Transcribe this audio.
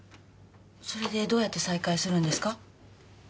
それでどうやって再会するんですか？